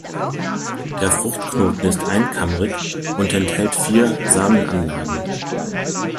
Der Fruchtknoten ist einkammerig und enthält vier Samenanlagen.